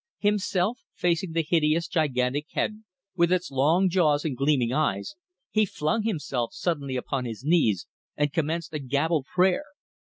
Himself facing the hideous gigantic head with its long jaws and gleaming eyes, he flung himself suddenly upon his knees and commenced a gabbled prayer.